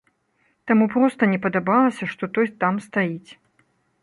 Таму проста не падабалася, што той там стаіць.